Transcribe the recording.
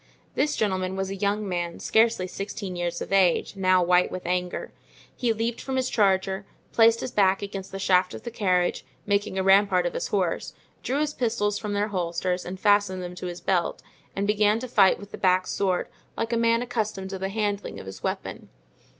This gentleman was a young man, scarcely sixteen years of age, now white with anger. He leaped from his charger, placed his back against the shaft of the carriage, making a rampart of his horse, drew his pistols from their holsters and fastened them to his belt, and began to fight with the back sword, like a man accustomed to the handling of his weapon.